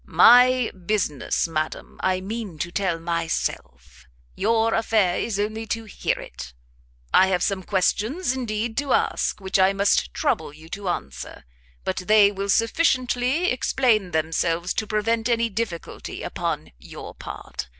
"My business, madam, I mean to tell myself; your affair is only to hear it. I have some questions, indeed, to ask, which I must trouble you to answer, but they will sufficiently explain themselves to prevent any difficulty upon your part.